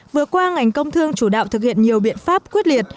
vừa qua ngành công thương chủ đạo thực hiện nhiều biện pháp quyết liệt